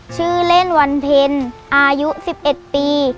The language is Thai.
ชื่อเล่นวรรณเพนร์อายุ๑๑ปี